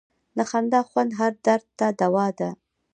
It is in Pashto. د خندا خوند هر درد ته دوا ده.